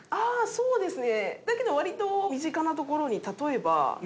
そうですね。